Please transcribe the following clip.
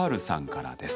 からです。